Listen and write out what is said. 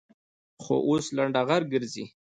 خو اوس لنډغر گرځي.